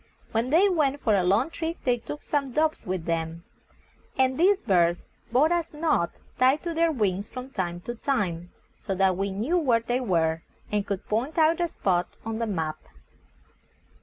When they went for a long trip they took some doves with them, and these birds brought us notes tied to their wings from time to time, so that we knew where they were, and could point out the spot on the map.